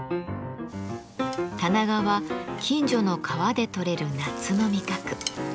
タナガは近所の川で取れる夏の味覚。